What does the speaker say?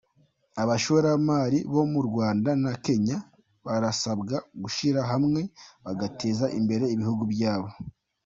Abashoramari bo mu Rwanda na Kenya, barasabwa gushyira hamwe bagateza imbere ibihugu byabo